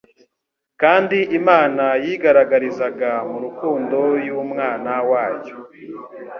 kandi Imana yigaragarizaga mu rukundo y'Umwana wayo.